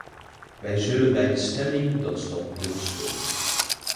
We zullen bij de stemming dat standpunt steunen.